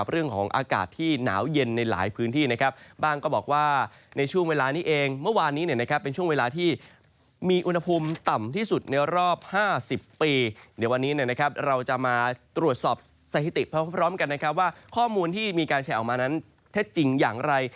เราจะมาตรวจสอบเศรษฐิติพร้อมกันว่าข้อมูลที่มีการแชร์ออกมานั้นถ้าจริงอย่างไร